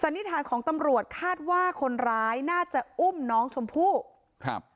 นิษฐานของตำรวจคาดว่าคนร้ายน่าจะอุ้มน้องชมพู่ครับ